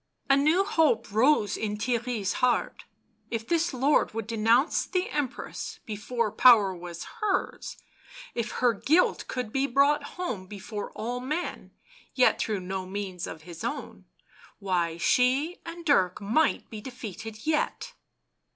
A new hope rose in Theirry's heart ; if this lord would denounce the Empress before power was hers, if her guilt could be brought home before all men — yet through no means of his own — why, she and Dirk might be defeated yet